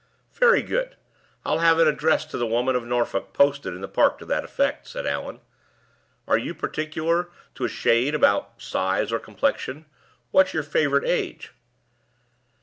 "Very good. I'll have an address to the women of Norfolk posted in the park to that effect," said Allan. "Are you particular to a shade about size or complexion? What's your favorite age?"